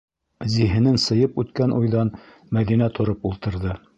Зиһенен сыйып үткән уйҙан Мәҙинә тороп ултырҙы.